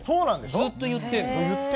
ずっと言ってるの。